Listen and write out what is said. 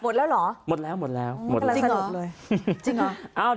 หมดแล้วเหรอหมดแล้วหมดแล้วหมดแล้วจริงเหรอจริงเหรอ